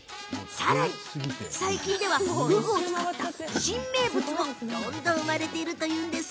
さらに最近ではふぐを使った新名物もどんどん生まれているといいます。